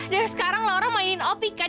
dari sekarang laura mainin opi kak